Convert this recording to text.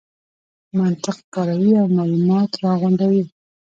منطق کاروي او مالومات راغونډوي.